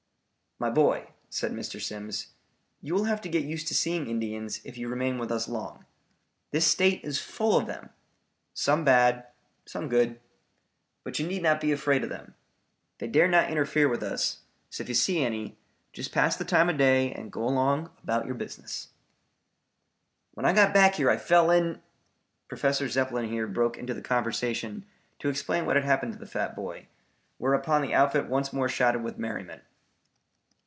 "My boy," said Mr. Simms, "you will have to get used to seeing Indians if you remain with us long. This state is full of them, some bad, some good. But you need not be afraid of them. They dare not interfere with us, so if you see any, just pass the time of day and go on along about your business." "When I got back here I fell in " Professor Zepplin here broke into the conversation to explain what had happened to the fat boy, whereupon the outfit once more shouted with merriment.